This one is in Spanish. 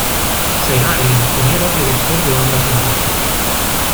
Será el ingeniero director de ambas empresas.